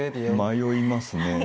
迷いますね。